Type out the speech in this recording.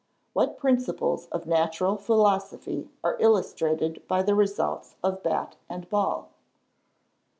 _What principles of natural philosophy are illustrated by the results of bat and ball?